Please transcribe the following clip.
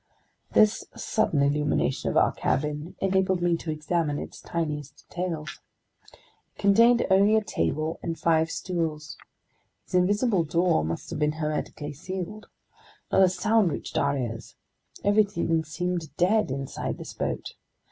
This sudden illumination of our cabin enabled me to examine its tiniest details. It contained only a table and five stools. Its invisible door must have been hermetically sealed. Not a sound reached our ears. Everything seemed dead inside this boat.